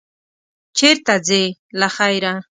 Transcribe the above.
چېرته ځې، له خیره؟